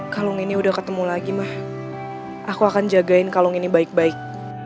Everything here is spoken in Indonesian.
kalung ini udah ketemu lagi mah aku akan jagain kalung ini baik baik